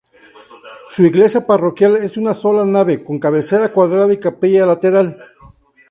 Su iglesia parroquial es de una sola nave, con cabecera cuadrada y capilla lateral.